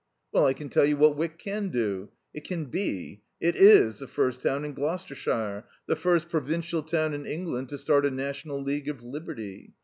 '" "Well, I can tell you what Wyck can do. It can be it is the first town in Gloucestershire, the first provincial town in England to start a National League of Liberty.